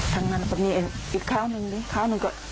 ทางนั้นก็มีอีกคราวหนึ่งคราวหนึ่งก็